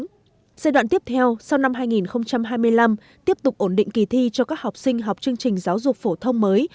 giai đoạn tiếp theo sau năm hai nghìn hai mươi năm tiếp tục ổn định kỳ thi cho các học sinh học chương trình giáo dục phổ thông mới